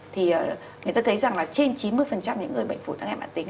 thì người ta thấy rằng là trên chín mươi những người bệnh phổi tác hệ mạng tính